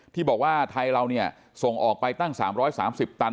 ที่บอกว่าไทยเราเนี่ยส่งออกไปตั้ง๓๓๐ตัน